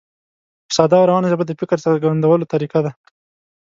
په ساده او روانه ژبه د فکر څرګندولو طریقه ده.